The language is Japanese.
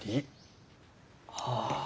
はあ。